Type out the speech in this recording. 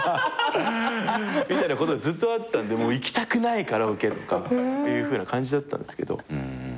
みたいなことがずっとあったんで行きたくないカラオケとかっていう感じだったんですけど。